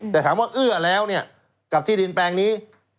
แต่ถามว่าเอื้อแล้วเนี่ยกับที่ดินแปลงนี้